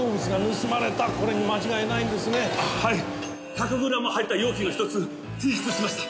１００グラム入った容器が１つ紛失しました。